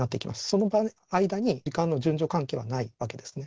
その間に時間の順序関係はないわけですね。